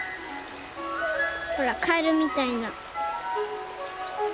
ほらカエルみたいな。